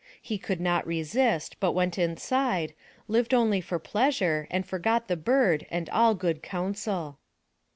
He could not resist, but went inside, lived only for pleasure and forgot the bird and all good counsel.